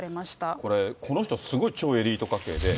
これ、この人、すごい超エリート家系で。